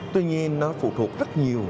tuy nhiên nó phụ thuộc rất nhiều